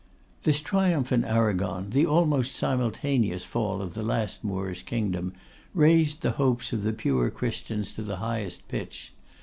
This triumph in Arragon, the almost simultaneous fall of the last Moorish kingdom, raised the hopes of the pure Christians to the highest pitch.